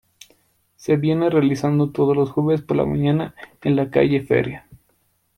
Se viene realizando todos los jueves por la mañana en la calle Feria.